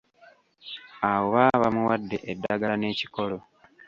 Awo baba bamuwadde eddagala n'ekikolo.